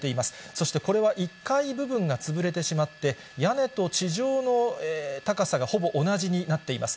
そしてこれは１階部分が潰れてしまって、屋根と地上の高さがほぼ同じになっています。